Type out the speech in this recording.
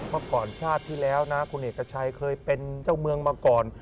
เมื่อก่อนชาติที่แล้วนะคุณเอกชัยเคยเป็นเจ้าเมืองมาก่อน